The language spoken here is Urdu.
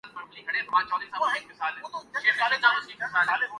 ہر مرتبہ چومکھی لڑائی لڑنے والے کپتان کے لتے لیے جاتے ہیں ۔